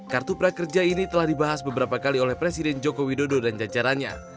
kartu prakerja ini telah dibahas beberapa kali oleh presiden joko widodo dan jajarannya